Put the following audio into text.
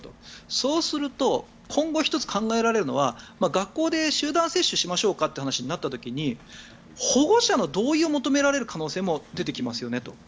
そうすると今後１つ考えられるのは学校で集団接種しましょうかという話になった時保護者の同意を求められる可能性も出てきますよねと。